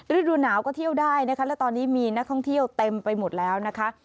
และตอนนี้มีนักท่องเที่ยวเต็มไปหมดแล้วนะคะ